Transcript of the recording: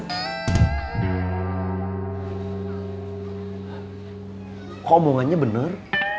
kok omongannya bener